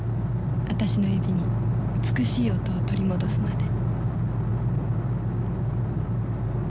私の指に美しい音を取り戻すまで」。